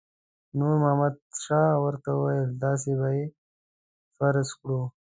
نور محمد شاه ورته وویل داسې به یې فرض کړو.